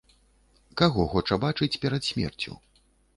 Каго хоча бачыць перад смерцю?